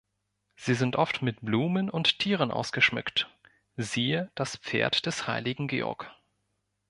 Sie sind oft mit Blumen und Tieren ausgeschmückt, siehe das Pferd des Heiligen Georg.